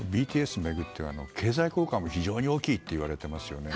ＢＴＳは経済効果も非常に大きいといわれていますよね。